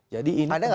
jadi ini menunjukkan